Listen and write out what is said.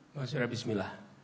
bang suria bismillah